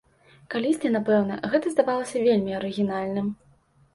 Калісьці, напэўна, гэта здавалася вельмі арыгінальным.